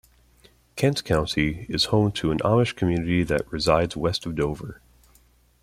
Kent County is home to an Amish community that resides west of Dover.